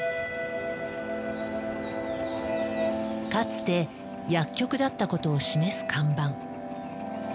かつて薬局だったことを示す看板。